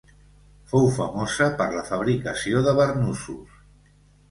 Fou famosa per la fabricació de barnussos.